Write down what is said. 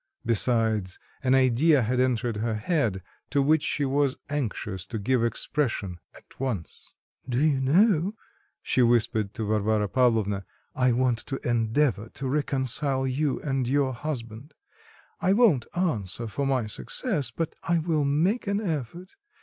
Besides, an idea had entered her head, to which she was anxious to give expression at once. "Do you know," she whispered to Varvara Pavlovna, "I want to endeavour to reconcile you and your husband; I won't answer for my success, but I will make an effort.